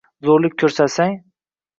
Zo’rlik ko’rsang